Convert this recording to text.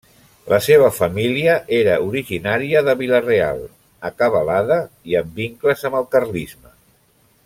La seva família era originària de Vila-real, acabalada i amb vincles amb el carlisme.